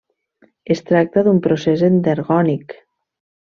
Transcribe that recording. Es tracta d'un procés endergònic.